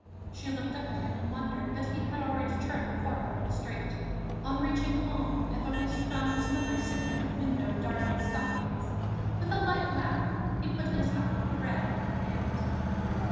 She looked up at him in wonder; but he had already turned the corner of the street. On reaching home, Évariste found his mother sitting at the window darning stockings. With a light laugh he put his half of the bread in her hand.